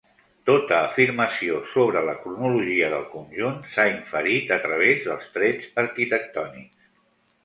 Tota afirmació sobre la cronologia del conjunt s'ha inferit a través dels trets arquitectònics.